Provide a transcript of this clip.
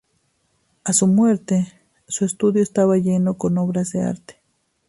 A su muerte, su estudio estaba lleno con obras de arte.